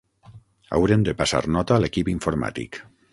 Haurem de passar nota a l'equip informàtic.